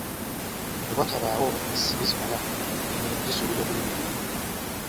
Bwe watabawo nsimbi zimala, emirimu gisuubirwa okuyimirira.